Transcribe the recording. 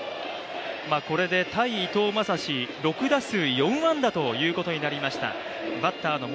これで対伊藤将司６打数４安打ということになりましたバッターの森